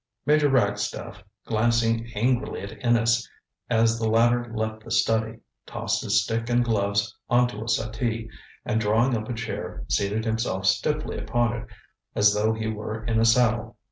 ŌĆØ Major Ragstaff, glancing angrily at Innes as the latter left the study, tossed his stick and gloves on to a settee, and drawing up a chair seated himself stiffly upon it as though he were in a saddle.